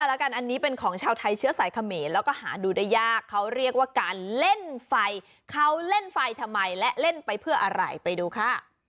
แล้วกันอันนี้เป็นของชาวไทยเชื้อสายเขมรแล้วก็หาดูได้ยากเขาเรียกว่าการเล่นไฟเขาเล่นไฟทำไมและเล่นไปเพื่ออะไรไปดูค่ะ